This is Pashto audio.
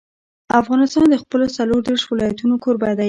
افغانستان د خپلو څلور دېرش ولایتونو کوربه دی.